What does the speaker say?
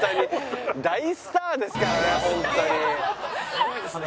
大スターですからね